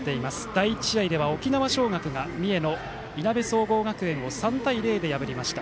第１試合は沖縄尚学が三重のいなべ総合学園を３対０で破りました。